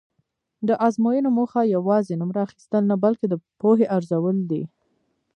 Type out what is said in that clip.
د ازموینو موخه یوازې نومره اخیستل نه بلکې د پوهې ارزول دي.